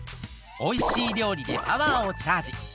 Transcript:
おいしいりょうりでパワーをチャージ！